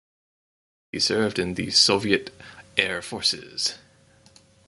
He served in the Soviet Air Forces.